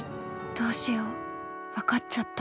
どうしよう分かっちゃった。